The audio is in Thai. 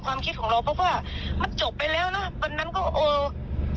เขาอะไรมันเอาสังเกตข์พี่หรออะไรแบบนี้เนี่ย